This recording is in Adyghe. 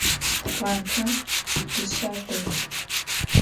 Pxhuantem dışser delh.